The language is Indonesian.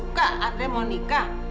nggak suka andre mau nikah